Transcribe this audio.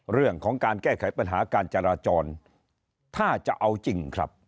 เรื่องของการแก้ไขปัญหาการจราจรถ้าจะเอาจริงครับ